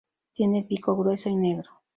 Tiene el pico grueso y negro.